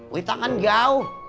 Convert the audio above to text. wih tangan jauh